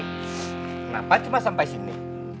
kenapa cuma sampai sini